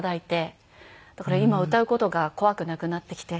だから今歌う事が怖くなくなってきて。